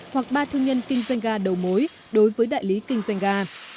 hoặc ba thương nhân kinh doanh ga đầu mối đối với đại lý kinh doanh ga